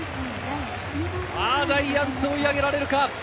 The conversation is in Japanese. ジャイアンツを追い上げられるか？